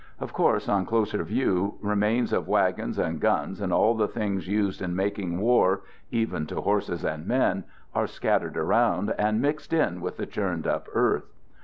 Of course, on closer view, remains of wagons and guns and all the things used in making war (even to horses and men) are scat tered around and mixed in with the churned up earth.